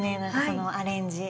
そのアレンジ。